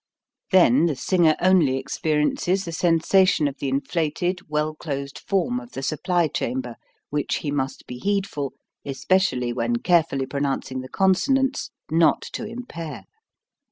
Then the singer only experiences the sensation of the inflated, well closed form of the supply chamber which he must be heedful, especially when carefully pronouncing the consonants, not to impair.